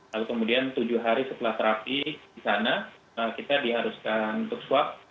lalu kemudian tujuh hari setelah terapi di sana kita diharuskan untuk swab